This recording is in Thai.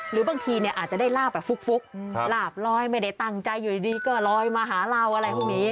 หรือบางทีเนี่ยอาจจะได้ลาบแบบฟุกหลาบลอยไม่ได้ตั้งใจอยู่ดีก็ลอยมาหาเราอะไรพวกนี้